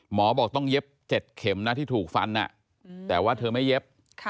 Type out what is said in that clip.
หมอบอกต้องเย็บ๗เข็มนะที่ถูกฟันแต่ว่าเธอไม่เย็บ